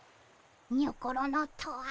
にょころのとは。